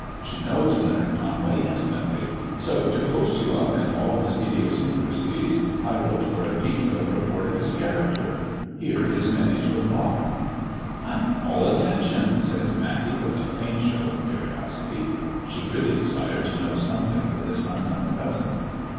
She knows Leonard Conway intimately, so to post you up in all his idiosyncrasies I wrote for a detailed repoi*t of his character. Here is Minnie's reply." " I am all attention," said Matty, with a faint show of curiosity. She really desired to know something of this unknown cousin.